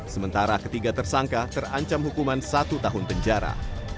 sementara ketiga tersangka terancam hukuman satu tahun penjara